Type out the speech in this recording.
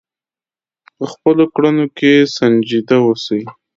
په خپلو کړنو کې سنجیده اوسئ.